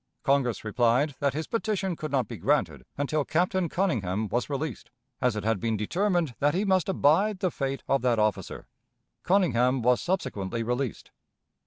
Congress replied that his petition could not be granted until Captain Conyngham was released, "as it had been determined that he must abide the fate of that officer." Conyngham was subsequently released.